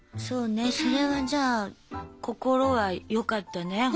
それはじゃあ心はよかったね